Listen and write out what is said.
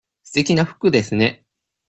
すてきな服ですね。